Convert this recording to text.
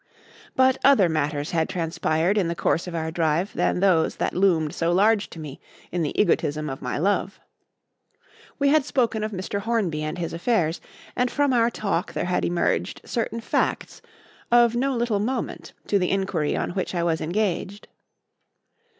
But other matters had transpired in the course of our drive than those that loomed so large to me in the egotism of my love. We had spoken of Mr. Hornby and his affairs, and from our talk there had emerged certain facts of no little moment to the inquiry on which I was engaged.